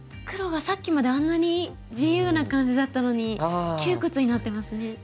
黒がさっきまであんなに自由な感じだったのに窮屈になってますね。